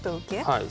はい。